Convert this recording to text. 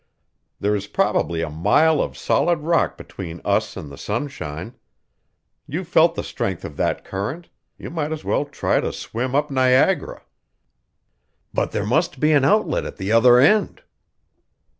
There is probably a mile of solid rock between us and the sunshine. You felt the strength of that current; you might as well try to swim up Niagara." "But there must be an outlet at the other end."